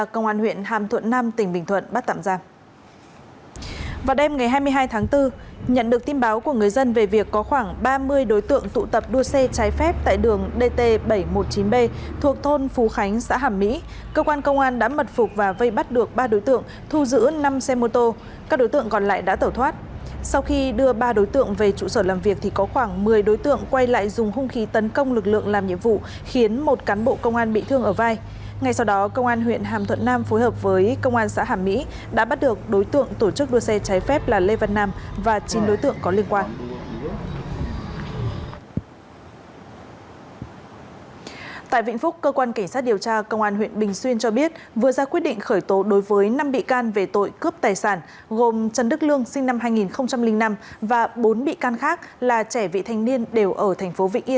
công an huyện bình xuyên cho biết vừa ra quyết định khởi tố đối với năm bị can về tội cướp tài sản gồm trần đức lương sinh năm hai nghìn năm và bốn bị can khác là trẻ vị thanh niên đều ở thành phố vị yên tỉnh vĩnh phúc